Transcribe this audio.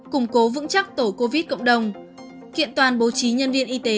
củng cố vững chắc tổ covid cộng đồng kiện toàn bố trí nhân viên y tế